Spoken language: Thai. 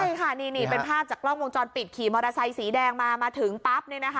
ใช่ค่ะนี่เป็นภาพจากกล้องวงจรปิดขี่มอเตอร์ไซค์สีแดงมามาถึงปั๊บ